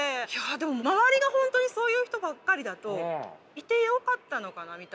でも周りが本当にそういう人ばっかりだといてよかったのかなみたいな。